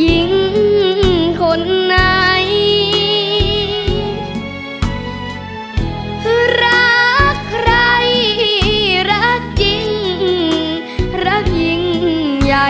หญิงคนไหนคือรักใครรักจริงรักยิ่งใหญ่